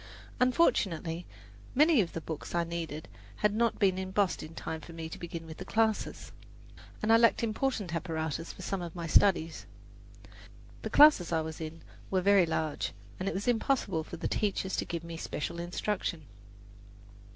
Unfortunately, many of the books I needed had not been embossed in time for me to begin with the classes, and I lacked important apparatus for some of my studies. The classes I was in were very large, and it was impossible for the teachers to give me special instruction.